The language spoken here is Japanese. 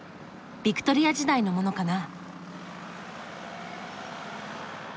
ビクトリア時代のものかな。